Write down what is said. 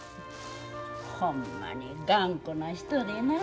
ほんまに頑固な人でなあ。